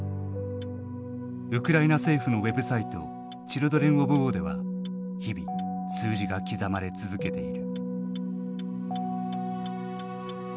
ウクライナ政府のウェブサイト「ＣＨＩＬＤＲＥＮＯＦＷＡＲ」では日々数字が刻まれ続けている。